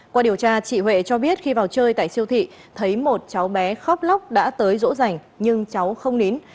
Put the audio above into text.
qua điều tra chị huệ cho biết khi vào chơi tại siêu thị thấy một cháu bé khóc lóc đã tới rỗ rành nhưng cháu không nín